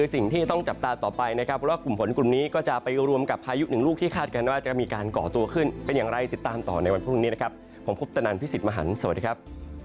สิ่งที่ต้องจับตาต่อไปนะครับว่ากลุ่มฝนกลุ่มนี้ก็จะไปรวมกับพายุหนึ่งลูกที่คาดการณ์ว่าจะมีการก่อตัวขึ้นเป็นอย่างไรติดตามต่อในวันพรุ่งนี้นะครับผมคุปตนันพี่สิทธิ์มหันฯสวัสดีครับ